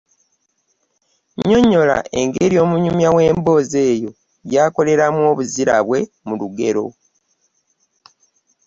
Nnyonnyola engeri omunyumya w’emboozi eyo gy’akolereramu obuzira bwe mu lugero.